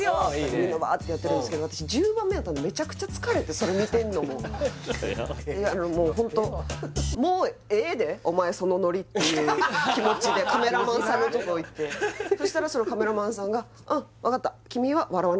みんなワーッてやってるんですけど私１０番目だったんでめちゃくちゃ疲れてそれ見てんのももうホントもうええでお前そのノリっていう気持ちでカメラマンさんのとこ行ってそしたらそのカメラマンさんが「うん分かった」